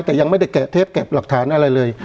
แต่ยังไม่ได้เก็บหลักฐานอะไรเลย